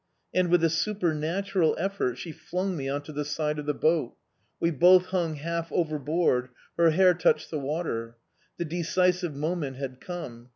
And, with a supernatural effort, she flung me on to the side of the boat; we both hung half overboard; her hair touched the water. The decisive moment had come.